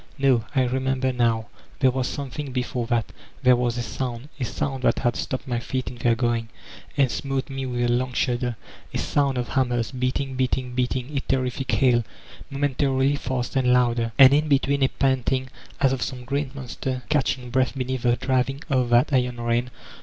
« No, I remember now: there was something before that; there was a sound — a sound that had stopped my feet in their going, and smote me with a k>ng shudder — a sound of hammers, beating, beating, beat ing a terrific hail, momentarily faster and louder, and in between a panting as of some great monster catch ing breath beneath the driving of that iron rain.